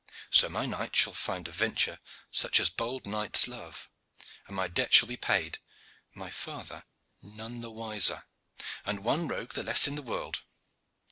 So my knight shall find a venture such as bold knights love, and my debt shall be paid, and my father none the wiser, and one rogue the less in the world.